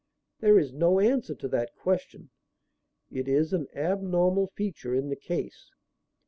There is no answer to that question. It is an abnormal feature in the case.